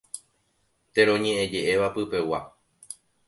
Teroñe'ẽje'éva pypegua.